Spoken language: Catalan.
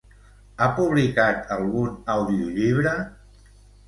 Ha publicat algun audiollibre?